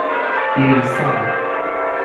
ایرسا